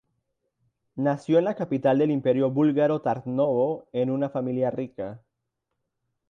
Nació en la capital del Imperio búlgaro Tarnovo en una familia rica.